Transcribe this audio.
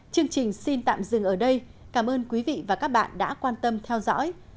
chương trình xin tạm dừng ở đây cảm ơn quý vị và các bạn đã quan tâm theo dõi